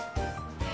え？